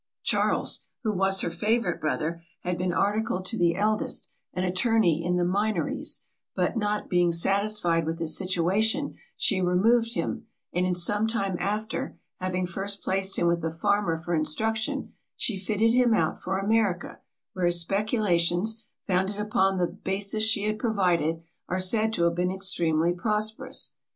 Charles, who was her favourite brother, had been articled to the eldest, an attorney in the Minories; but, not being satisfied with his situation, she removed him; and in some time after, having first placed him with a farmer for instruction, she fitted him out for America, where his speculations, founded upon the basis she had provided, are said to have been extremely prosperous.